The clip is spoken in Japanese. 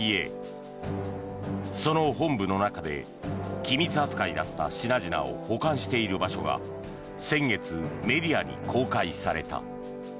その本部の中で機密扱いだった品々を保管している場所が先月、メディアに公開された。